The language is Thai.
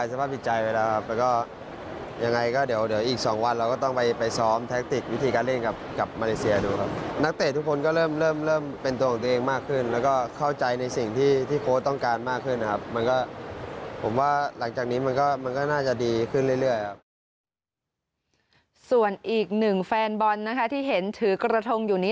ส่วนอีกหนึ่งแฟนบอลนะคะที่เห็นถือกระทงอยู่นี้